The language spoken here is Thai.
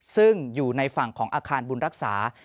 ซึ่งอยู่ในฝั่งของอาคารบุญรักษา